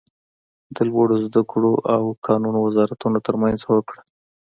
د لوړو ذده کړو او کانونو وزارتونو تر مینځ هوکړه